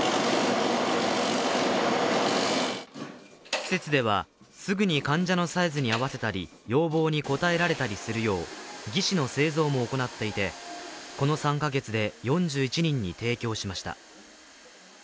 施設では、すぐに患者のサイズに合わせたり、要望に応えられたりするよう、義肢の製造も行っていて、この３か月で４１人に提供しました。